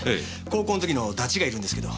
高校の時のダチがいるんですけど。